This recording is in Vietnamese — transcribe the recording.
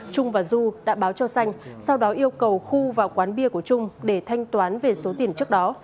trung và du đã báo cho xanh sau đó yêu cầu khu vào quán bia của trung để thanh toán về số tiền trước đó